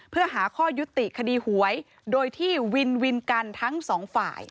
เพื่อหาข้อยุติคดีหวยโดยที่วินวินกันทั้งสองฝ่าย